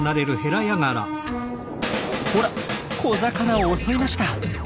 ほら小魚を襲いました！